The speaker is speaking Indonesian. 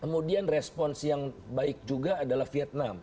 kemudian respons yang baik juga adalah vietnam